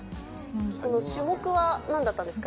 その種目はなんだったんですか？